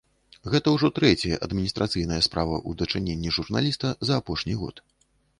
Гэта ўжо трэцяя адміністрацыйная справа ў дачыненні журналіста за апошні год.